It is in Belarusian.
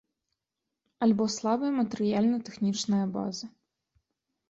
Альбо слабая матэрыяльна-тэхнічная база.